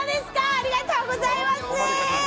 ありがとうございます！